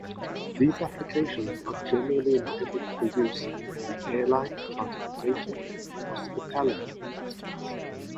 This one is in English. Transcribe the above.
These applications are generally intended for use in the airline, transportation, and hospitality industries.